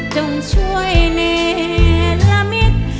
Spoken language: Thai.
จงช่วยเนรมิตร